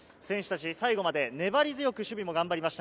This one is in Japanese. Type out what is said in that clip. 最後まで粘り強く守備を頑張りました。